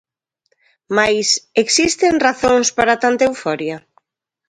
Mais, existen razóns para tanta euforia?